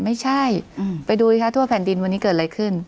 ไม่ใช่ไปดูสิคะทั่วแผ่นดินวันนี้เกิดอะไรขึ้น